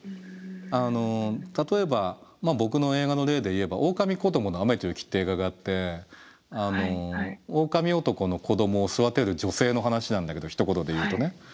あの例えば僕の映画の例で言えば「おおかみこどもの雨と雪」って映画があっておおかみおとこの子どもを育てる女性の話なんだけどひと言で言うとね。